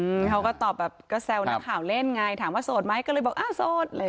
เขาก็ตอบแบบก็แซวนักข่าวเล่นไงถามว่าโสดไหมก็เลยบอกอ้าวโสดอะไรอย่าง